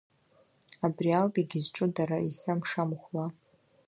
Абри ауп егьызҿу дара иахьа мша-мыхәла.